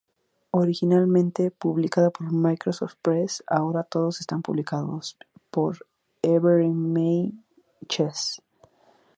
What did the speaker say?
Originalmente publicada por "Microsoft Press", ahora todos están publicados por "Everyman Chess".